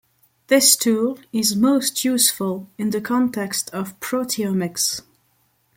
This tool is most useful in the context of proteomics.